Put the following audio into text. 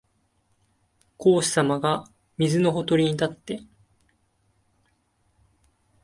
孔子さまが水のほとりに立って、